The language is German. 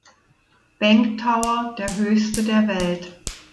Bank Tower der höchste der Welt.